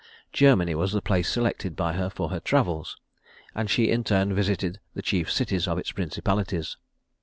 Germany was the place selected by her for her travels; and she, in turn, visited the chief cities of its principalities.